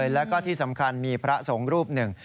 แล้วก็ที่สำคัญมีพระสงฆ์รูปหนึ่ง